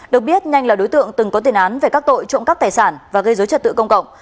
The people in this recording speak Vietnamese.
được biết nhanh là đối tượng từng có tiền án về các tội trộm cắp tài sản và gây dối trật tự công cộng